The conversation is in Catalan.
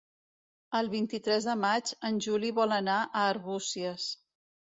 El vint-i-tres de maig en Juli vol anar a Arbúcies.